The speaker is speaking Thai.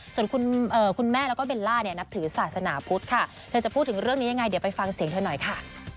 ส่วนคุณแม่แล้วก็เบลล่าเนี่ยนับถือศาสนาพุทธค่ะเธอจะพูดถึงเรื่องนี้ยังไงเดี๋ยวไปฟังเสียงเธอหน่อยค่ะ